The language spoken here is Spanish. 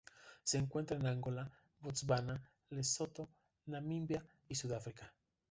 Se encuentra en Angola, Botswana, Lesotho, Namibia y Sudáfrica.